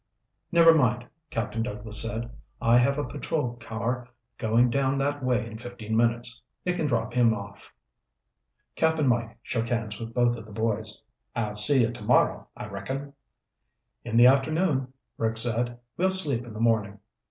"Never mind," Captain Douglas said. "I have a patrol car going down that way in fifteen minutes. It can drop him off." Cap'n Mike shook hands with both of the boys. "I'll see you tomorrow, I reckon." "In the afternoon," Rick said. "We'll sleep in the morning."